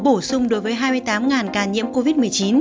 bổ sung đối với hai mươi tám ca nhiễm covid một mươi chín